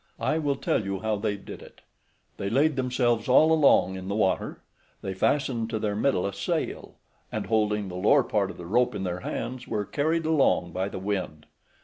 I will tell you how they did it; they laid themselves all along in the water, they fastened to their middle a sail, and holding the lower part of the rope in their hands, were carried along by the wind.